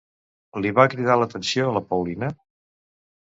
Li va cridar l'atenció a la Paulina?